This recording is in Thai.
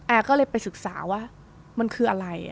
ก็เลยไปศึกษาว่ามันคืออะไร